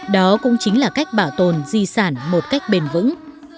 đó cũng chính là cách bảo tồn di sản một cách bền vững